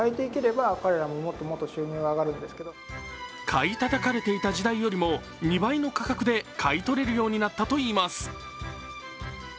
買いたたかれていた時代よりも２倍の価格で買い取れるようになったといいます。